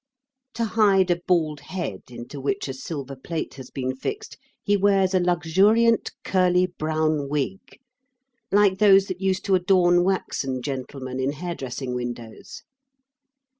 To hide a bald head into which a silver plate has been fixed, he wears a luxuriant curly brown wig, like those that used to adorn waxen gentlemen in hair dressing windows.